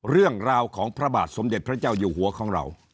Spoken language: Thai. เรื่องราวของพระบาทสมเด็จพระเจ้าอยู่หัวของเรา